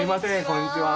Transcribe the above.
こんにちは。